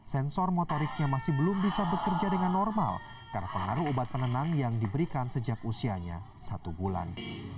sensor motoriknya masih belum bisa bekerja dengan normal karena pengaruh obat penenang yang diberikan sejak usianya satu bulan